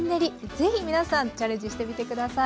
ぜひ皆さんチャレンジしてみてください。